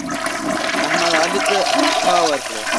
احمد؛ علي ته خوا ورکړه.